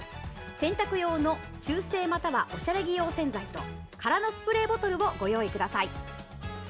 洗濯用の、中性またはおしゃれ着用洗剤と空のスプレーボトルをご用意ください。